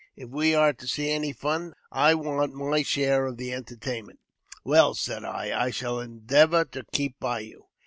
If we ■ are to see any fun, I want my share of the entertainment." " Well," said I, " I shall endeavour to keep by you."